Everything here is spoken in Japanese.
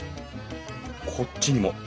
こっちにも。